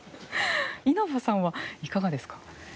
稲葉さんは、いかがですか。